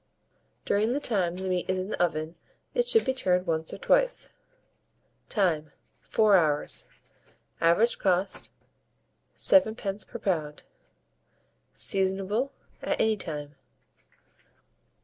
During the time the meat is in the oven it should be turned once or twice. Time. 4 hours. Average cost, 7d. per lb. Seasonable at any time.